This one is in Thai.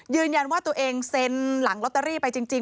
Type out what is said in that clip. ยืนยันว่าตัวเองเซ็นหลังลอตเตอรี่ไปจริง